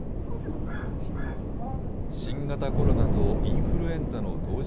新型コロナとインフルエンザの同時